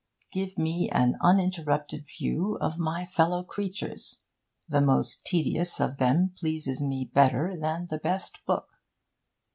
Give me an uninterrupted view of my fellow creatures. The most tedious of them pleases me better than the best book.